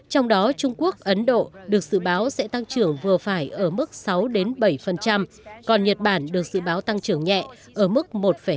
trong đó trung quốc ấn độ được dự báo sẽ tăng trưởng vừa phải ở mức sáu bảy còn nhật bản được dự báo tăng trưởng nhẹ ở mức một hai